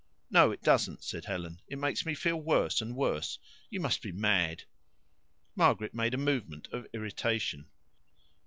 "No, it doesn't," said Helen. "It makes me feel worse and worse. You must be mad." Margaret made a movement of irritation.